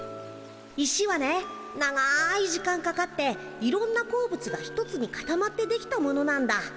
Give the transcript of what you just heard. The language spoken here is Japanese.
石はね長い時間かかっていろんな鉱物が一つにかたまってできたものなんだ。